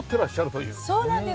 そうなんです。